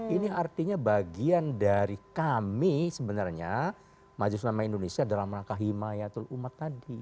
ini artinya bagian dari kami sebenarnya majelis nama indonesia dalam rangka himayatul umat tadi